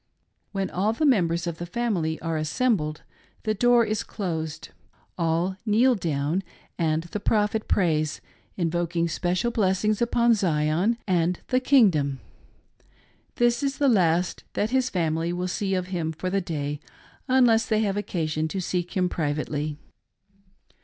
When all the members of the family are assembled, the door is closed. All kneel down and the Prophet prays, invoking special blessings upon Zion and "the kingdom." This is the last that his family see of him for the day, unless they have occasion to seek him privately.